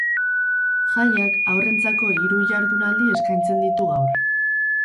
Jaiak haurrentzako hiru ihardunaldi eskaintzen ditu gaur.